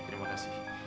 oke terima kasih